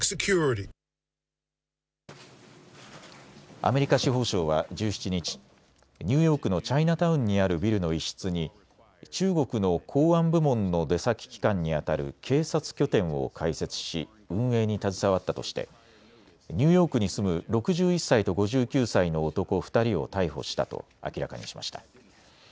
アメリカ司法省は１７日、ニューヨークのチャイナタウンにあるビルの一室に中国の公安部門の出先機関にあたる警察拠点を開設し運営に携わったとしてニューヨークに住む６１歳と５９歳の男２人を逮捕したと明らかにしました。